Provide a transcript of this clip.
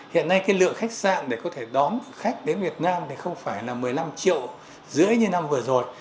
hiện nay cái lượng khách sạn để có thể đón khách đến việt nam thì không phải là một mươi năm triệu rưỡi như năm vừa rồi